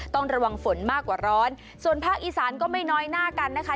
ต้องระวังฝนมากกว่าร้อนส่วนภาคอีสานก็ไม่น้อยหน้ากันนะคะ